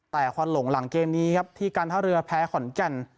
แต่ควันหลงหลังเกมนี้ครับที่การท่าเรือแพ้ขอนแก่น